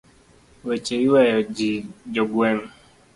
Weche iweyo ji jogweng'.